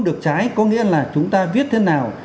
được trái có nghĩa là chúng ta viết thế nào